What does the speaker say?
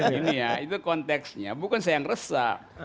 ini ya itu konteksnya bukan saya yang resah